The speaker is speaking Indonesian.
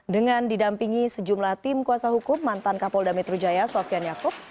dengan didampingi sejumlah tim kuasa hukum mantan kapolda metro jaya sofian yaakub